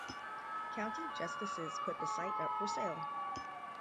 County justices put the site up for sale.